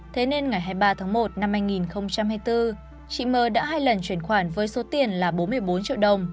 thế nên ngày hai mươi ba tháng một năm hai nghìn hai mươi bốn chị m đã hai lần chuyển khoản với số tiền là bốn mươi bốn triệu đồng